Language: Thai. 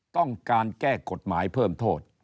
ต้องการแก้กฎหมายเพิ่มโทษ